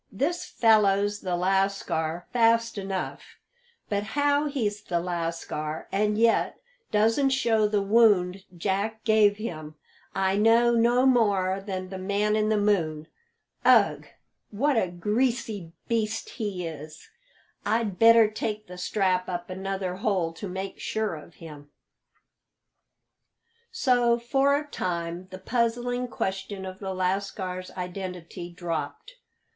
This fellow's the lascar fast enough; but how he's the lascar and yet doesn't show the wound Jack gave him, I know no more than the man in the moon. Ugh! what a greasy beast he is! I'd better take the strap up another hole to make sure of him." So, for a time, the puzzling question of the lascar's identity dropped.